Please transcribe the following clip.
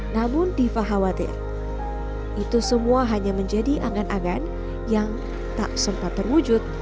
namun diva khawatir itu semua hanya menjadi angan angan yang tak sempat terwujud